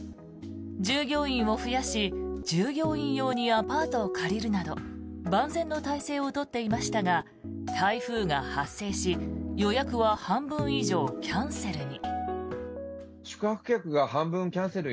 従業員を増やし従業員用にアパートを借りるなど万全の態勢を取っていましたが台風が発生し予約は半分以上キャンセルに。